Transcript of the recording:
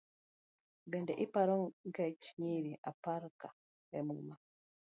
Bende iparo ngech nyiri aparka emuma?